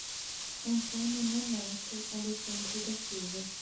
Antônio Nonato Alexandre da Silva